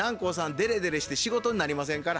デレデレして仕事になりませんから。